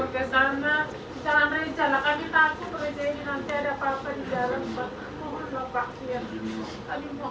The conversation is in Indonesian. di jalan reja lah kami takut reja ini nanti ada apa apa di dalam